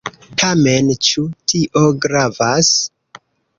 Tamen, ĉu tio gravas?